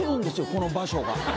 この場所が。